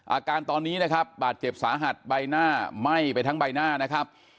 อาการตอนนี้นะครับบาดเจ็บสาหัสใบหน้าไหม้ไปทั้งใบหน้านะครับ